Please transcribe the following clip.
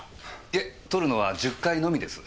いえ採るのは１０階のみです。